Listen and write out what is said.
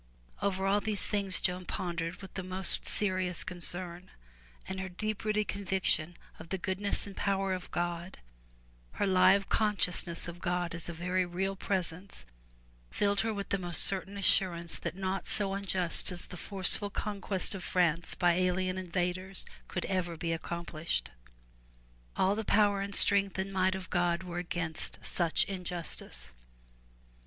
Over all these things Joan pondered with the most serious 306 FROM THE TOWER WINDOW concern, and her deep rooted conviction of the goodness and power of God, her Hve consciousness of God as a very real presence, filled her with the most certain assurance that naught so unjust as the forceful conquest of France by alien invaders could ever be accomplished. All the power and strength and might of God were against such injustice.